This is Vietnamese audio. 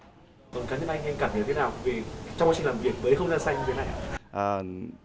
còn các anh anh cảm nhận thế nào